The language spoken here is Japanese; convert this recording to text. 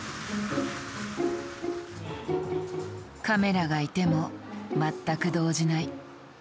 カメラがいても全く動じない。